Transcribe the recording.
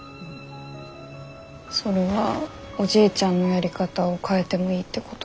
それはおじいちゃんのやり方を変えてもいいってこと？